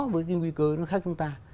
với cái nguy cơ nó khác với chúng ta